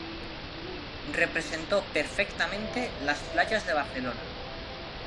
Representó perfectamente las playas de Barcelona.